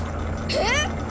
えっ！